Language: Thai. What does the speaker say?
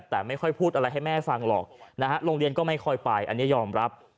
แต่ไม่ค่อยพูดอะไรให้แม่ฟังหรอกนะฮะโรงเรียนก็ไม่ค่อยไปอันนี้ยอมรับ